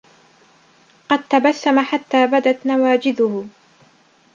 قَدْ تَبَسَّمَ حَتَّى بَدَتْ نَوَاجِذُهُ